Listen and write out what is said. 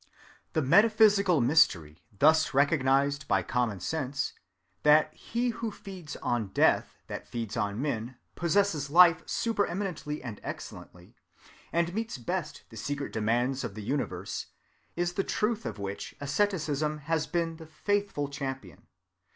The metaphysical mystery, thus recognized by common sense, that he who feeds on death that feeds on men possesses life supereminently and excellently, and meets best the secret demands of the universe, is the truth of which asceticism has been the faithful champion.